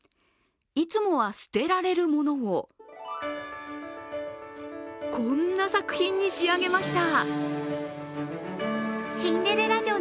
いつもは捨てられるものをこんな作品に仕上げました。